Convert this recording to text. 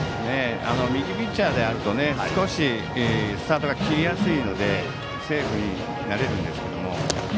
右ピッチャーだと少しスタートが切りやすいのでセーフになれるんですけども。